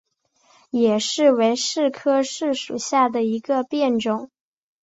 野柿为柿科柿属下的一个变种。